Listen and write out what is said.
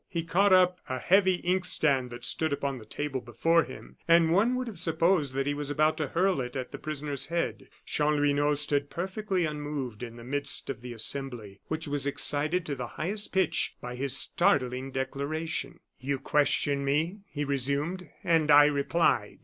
He caught up a heavy inkstand that stood upon the table before him: and one would have supposed that he was about to hurl it at the prisoner's head. Chanlouineau stood perfectly unmoved in the midst of the assembly, which was excited to the highest pitch by his startling declaration. "You questioned me," he resumed, "and I replied.